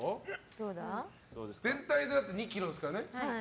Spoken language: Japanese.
全体で２ｋｇですからね。